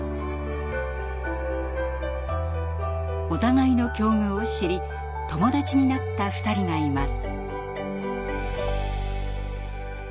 お互いの境遇を知り友達になった２人がいます。